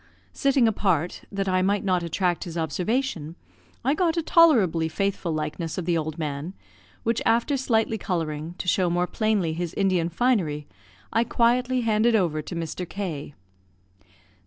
Sitting apart, that I might not attract his observation, I got a tolerably faithful likeness of the old man, which after slightly colouring, to show more plainly his Indian finery, I quietly handed over to Mr. K